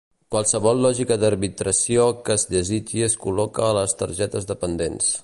Qualsevol lògica d'arbitració que es desitgi es col·loca a les targetes dependents.